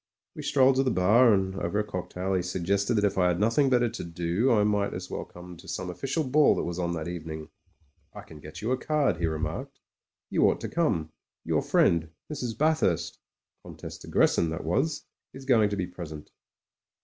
We strolled to the bar, and over a cocktail he suggested that if I had nothing better to do I might as well come to some official ball that was on that evening. "I can get you a card," he remarked, "You SPUD TREVOR OF THE RED HUSSARS 85 ought to come ; your friend, Mrs. Bathurst — Comtesse de Grecin that was — is going to be present."